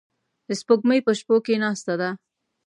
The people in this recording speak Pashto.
د سپوږمۍ په شپو کې ناسته ده